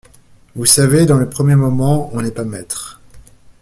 Vous savez, dans le premier moment, on n’est pas maître.